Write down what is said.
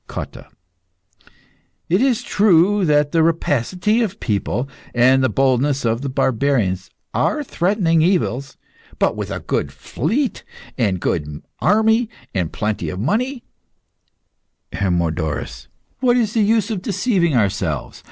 COTTA. It is true that the rapacity of the people, and the boldness of the barbarians, are threatening evils. But with a good fleet, a good army, and plenty of money HERMODORUS. What is the use of deceiving ourselves?